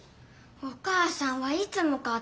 お母さんはいつもかって。